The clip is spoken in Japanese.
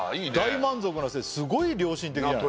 大満足なセットすごい良心的じゃない？